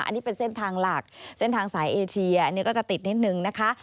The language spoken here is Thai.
อันนี้เป็นเส้นทางหลักเส้นทางสายเอเชียอันนี้ก็จะติดนิดนึงนะคะ